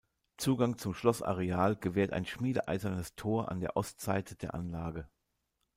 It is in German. Zugang zum Schlossareal gewährt ein schmiedeeisernes Tor an der Ostseite der Anlage.